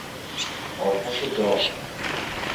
آتش داغ